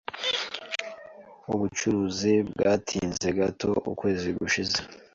Ubucuruzi bwatinze gato ukwezi gushize.